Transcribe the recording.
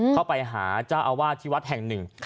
เข้าไปหาเจ้าอาวาสที่วัดแห่งหนึ่ง